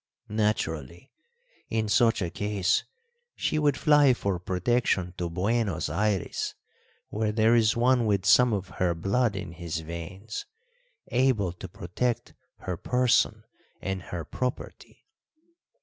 Naturally, in such a case, she would fly for protection to Buenos Ayres, where there is one with some of her blood in his veins able to protect her person and her property."